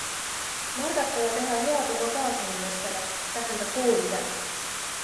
Märgata ja teha head oma kaasinimestele - tähendab hoolida.